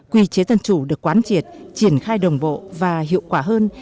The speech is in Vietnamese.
quy chế dân chủ được quán triệt triển khai đồng bộ và hiệu quả hơn